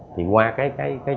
thì qua cái trả nổi thông tin